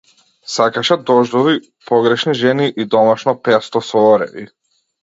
Сакаше дождови, погрешни жени и домашно песто со ореви.